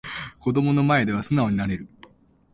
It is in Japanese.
子供の前で素直になれる